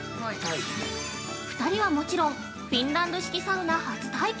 ２人はもちろん、フィンランド式サウナ初体験。